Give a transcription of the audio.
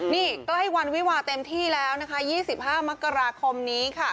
นี่ใกล้วันวิวาเต็มที่แล้วนะคะ๒๕มกราคมนี้ค่ะ